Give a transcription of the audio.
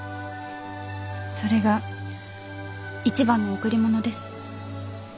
それが一番の贈り物です。